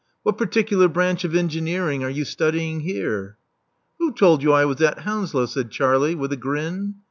What particular branch of engineering are you studying here?" Who told you I was at Hounslow?" said Charlie, with a grin.